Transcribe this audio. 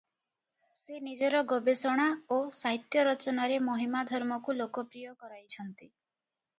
ସେ ନିଜର ଗବେଷଣା ଓ ସାହିତ୍ୟ ରଚନାରେ ମହିମା ଧର୍ମକୁ ଲୋକପ୍ରିୟ କରାଇଛନ୍ତି ।